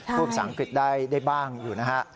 พูดภาษาอังกฤษได้บ้างอยู่นะฮะ